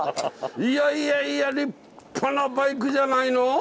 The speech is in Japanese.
いやいやいや立派なバイクじゃないの！